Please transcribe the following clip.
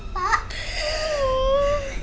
jangan nih pak